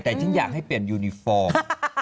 แต่ฉันอยากให้เปลี่ยนยูนิฟอร์ม